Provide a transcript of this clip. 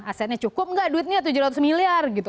asetnya cukup gak duitnya tujuh ratus miliar